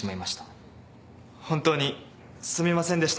本当にすみませんでした。